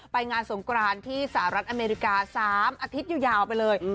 ไปงานสงกรานที่สหรัฐอเมริกา๓อาทิตยาวไปเลย